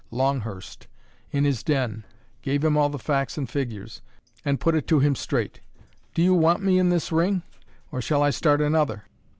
Longhurst in his den, gave him all the facts and figures, and put it to him straight: 'Do you want me in this ring? or shall I start another?'